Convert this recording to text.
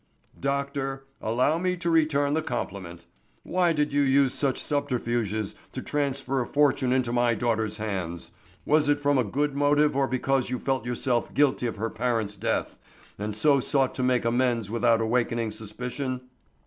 "Doctor, allow me to return the compliment. Why did you use such subterfuges to transfer a fortune into my daughter's hands? Was it from a good motive or because you felt yourself guilty of her parent's death, and so sought to make amends without awakening suspicion?"